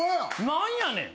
何やねん！